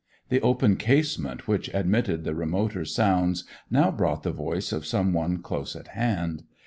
The open casement which admitted the remoter sounds now brought the voice of some one close at hand.